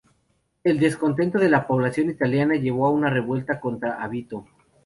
El descontento de la población italiana llevó a una revuelta contra Avito.